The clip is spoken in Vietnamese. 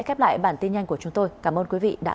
khép lại bản tin nhanh của chúng tôi cảm ơn quý vị đã